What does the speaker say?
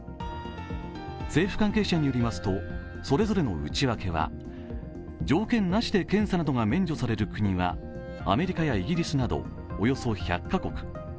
政府関係者によりますとそれぞれの内訳は条件なしで検査などが免除される国はアメリカやイギリスなどおよそ１００か国。